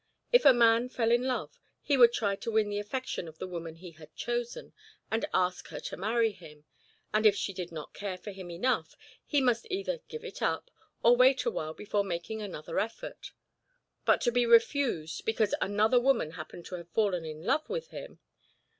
If a man fell in love, he would try to win the affection of the woman he had chosen, and ask her to marry him; and if she did not care for him enough, he must either give it up, or wait awhile before making another effort. But to be refused, because another woman happened to have fallen in love with him!